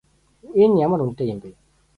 Энэ ямар үнэтэй юм бэ?